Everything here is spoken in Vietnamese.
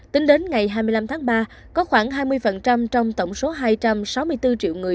tính đến ngày hai mươi năm tháng ba có khoảng hai mươi trong tổng số hai trăm sáu mươi bốn triệu người